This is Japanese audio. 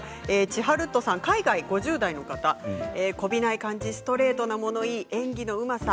海外、５０代の方こびない感じ、ストレートな物言い演技のうまさ